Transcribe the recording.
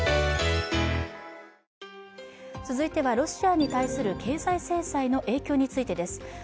続いてはロシアに対する経済制裁の影響についてです。